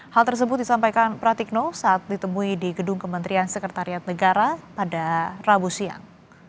hal tersebut disampaikan pratikno saat ditemui di gedung kementerian sekretariat negara pada rabu siang